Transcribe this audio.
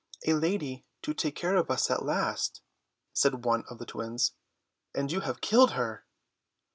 "A lady to take care of us at last," said one of the twins, "and you have killed her!"